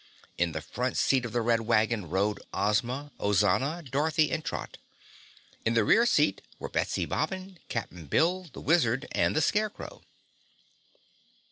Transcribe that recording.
In the front seat of the Red Wagon rode Ozma, Ozana, Dorothy and Trot. In the rear seat were Betsy Bobbin, Cap'n Bill, the Wizard and the Scarecrow.